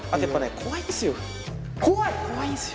怖いんですよ。